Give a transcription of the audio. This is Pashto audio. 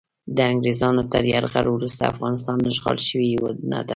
د انګریزانو تر یرغل وروسته افغانستان اشغال شوی هیواد نه و.